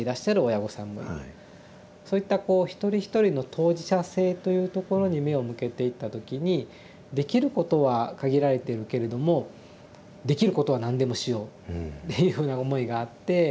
そういったこう一人一人の当事者性というところに目を向けていった時にできることは限られているけれどもできることは何でもしようっていうような思いがあって。